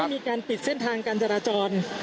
มีการปิดเส้นทางการจราจร